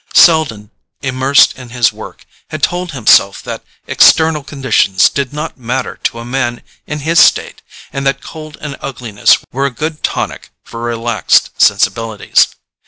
Selden, immersed in his work, had told himself that external conditions did not matter to a man in his state, and that cold and ugliness were a good tonic for relaxed sensibilities.